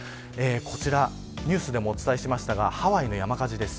こちら、ニュースでもお伝えしましたがハワイの山火事です。